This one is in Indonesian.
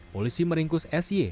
polisi meringkus s y